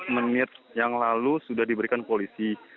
lima belas menit yang lalu sudah diberikan polisi